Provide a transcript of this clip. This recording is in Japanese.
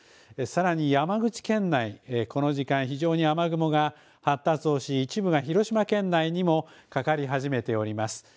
さらに、山口県内、この時間、非常に雨雲が発達をし、一部が広島県内にもかかり始めております。